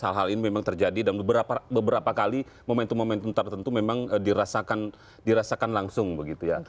hal hal ini memang terjadi dan beberapa kali momentum momentum tertentu memang dirasakan langsung begitu ya